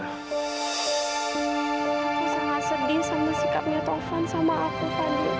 aku sangat sedih sama sikapnya tovan sama aku fadli